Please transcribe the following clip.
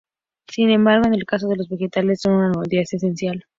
Sin embargo, en el caso de los vegetales, son un nutriente esencial.